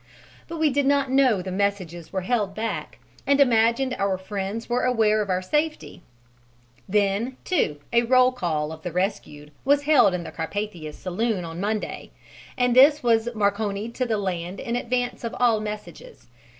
But we did not know the messages were held back, and imagined our friends were aware of our safety; then, too, a roll call of the rescued was held in the Carpathia's saloon on the Monday, and this was Marconied to land in advance of all messages.